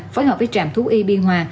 phối hợp với trạm thu y biên hòa